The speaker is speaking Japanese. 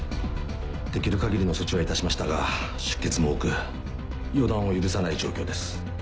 できる限りの処置はいたしましたが出血も多く予断を許さない状況です。